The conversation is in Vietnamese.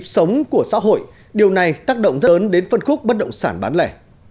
sống của xã hội điều này tác động rất lớn đến phân khúc bất động sản bán lẻ